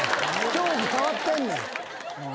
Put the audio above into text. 競技変わってんねん。